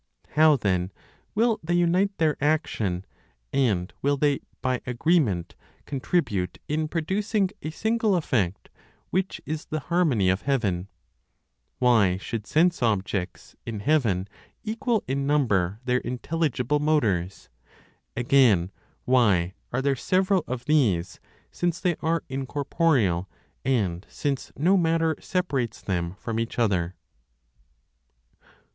How then will they unite their action, and will they, by agreement, contribute in producing a single effect, which is the harmony of heaven? Why should sense objects, in heaven, equal in number their intelligible motors? Again, why are there several of these, since they are incorporeal, and since no matter separates them from each other?